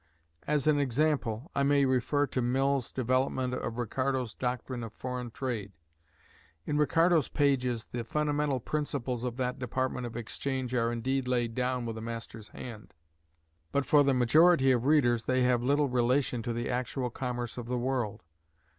As an example, I may refer to Mill's development of Ricardo's doctrine of foreign trade. In Ricardo's pages, the fundamental principles of that department of exchange are indeed laid down with a master's hand; but for the majority of readers they have little relation to the actual commerce of the world.